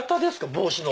帽子の。